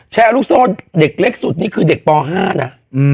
แชร์ลูกโซ่เด็กเล็กสุดนี่คือเด็กป๕นะ